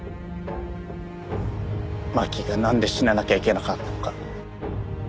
真希がなんで死ななきゃいけなかったのか。